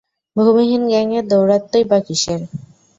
ভূমিহীন গ্যাংয়ের দৌরত্মই বা কিসের?